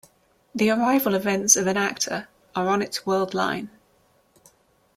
The arrival events of an Actor are on its world line.